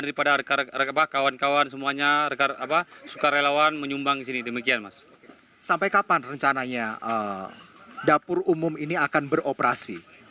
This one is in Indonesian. sampai kapan rencananya dapur umum ini akan beroperasi